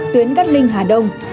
tuyến gắt linh hà đông